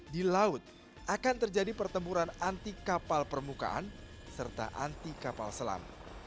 di laut akan terjadi pertempuran anti kapal permukaan serta anti kapal selam